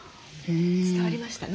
伝わりましたね。